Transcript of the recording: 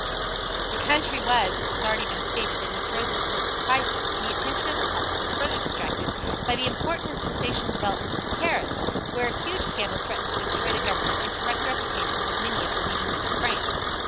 The country was, as has already been stated, in the throes of a political crisis, and the attention of the public was further distracted by the important and sensational developments in Paris, where a huge scandal threatened to destroy the Government and to wreck the reputations of many of the leading men in France.